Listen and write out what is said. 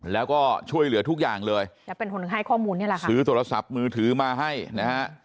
แล้วก็ช่วยเหลือทุกอย่างเลยซื้อโทรศัพท์มือถือมาให้นะฮะ